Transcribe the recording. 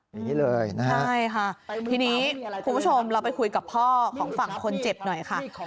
อย่างนี้เลยนะฮะใช่ค่ะทีนี้คุณผู้ชมเราไปคุยกับพ่อของฝั่งคนเจ็บหน่อยค่ะ